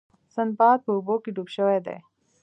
سنباد په اوبو کې ډوب شوی دی.